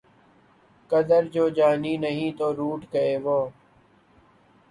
قدر جو جانی نہیں تو روٹھ گئے وہ